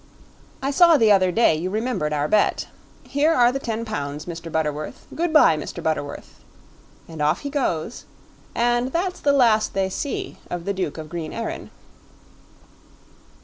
I saw the other day you remembered our bet; here are the ten pounds, Mr. Butterworth. Goodbye, Mr. Butterworth.' And off he goes, and that's the last they see of the Duke of Green Erin."